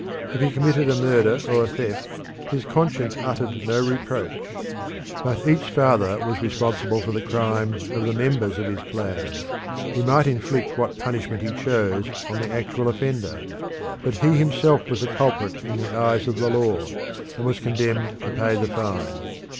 If he committed a murder or a theft, his conscience uttered no reproach. But each father was responsible for the crimes of the members of his clan; he might inflict what punishment he chose on the actual offender; but he himself was the culprit in the eyes of the law, and was condemned to pay the fine.